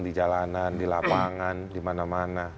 di jalanan di lapangan di mana mana